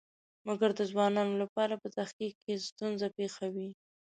مګر د ځوانانو لپاره په تحقیق کې ستونزه پېښوي.